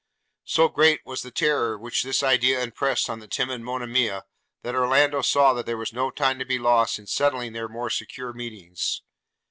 So great was the terror which this idea impressed on the timid Monimia, that Orlando saw there was no time to be lost in settling their more secure meetings.